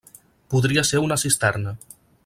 Podria ser una cisterna.